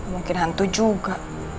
mungkin hantu juga